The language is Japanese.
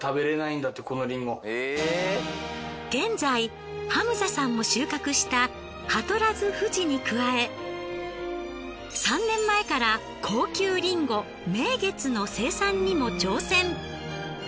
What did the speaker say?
現在ハムザさんも収穫した葉とらずふじに加え３年前から高級リンゴ名月の生産にも挑戦。